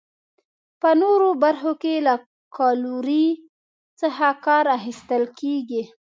په نورو برخو کې له کالورۍ څخه کار اخیستل کیږي.